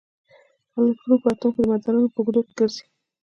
الکترون په اټوم کې د مدارونو په اوږدو کې ګرځي.